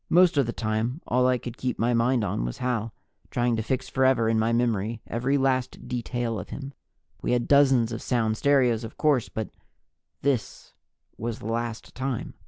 Most of the time, all I could keep my mind on was Hal, trying to fix forever in my memory every last detail of him. We have dozens of sound stereos, of course, but this was the last time.